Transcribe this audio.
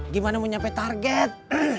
gimana mau nyampe target